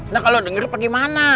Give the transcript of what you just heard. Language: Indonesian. nah kalau denger apa gimana